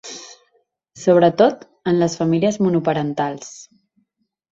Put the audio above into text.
Sobretot, en les famílies monoparentals.